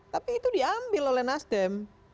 tapi itu diambil oleh nasdem